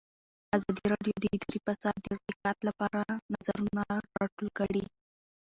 ازادي راډیو د اداري فساد د ارتقا لپاره نظرونه راټول کړي.